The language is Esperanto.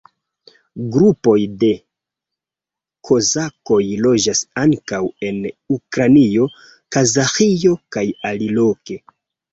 Grupoj de kozakoj loĝas ankaŭ en Ukrainio, Kazaĥio kaj aliloke.